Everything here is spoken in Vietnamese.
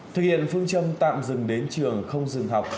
thực hiện phương châm tạm dừng đến trường không dừng học